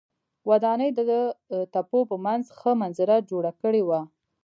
ودانۍ د تپو په منځ ښه منظره جوړه کړې وه.